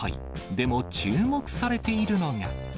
でも注目されているのが。